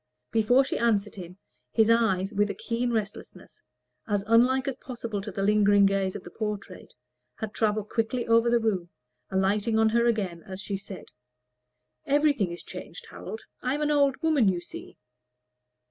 Before she answered him, his eyes, with a keen restlessness, as unlike as possible to the lingering gaze of the portrait, had travelled quickly over the room, alighting on her as she said "Everything is changed, Harold. I am an old woman, you see."